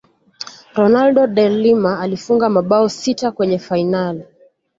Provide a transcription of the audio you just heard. ronaldo de Lima alifunga mabao sita kwenye fainali